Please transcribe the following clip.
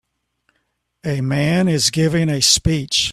A man is giving a speech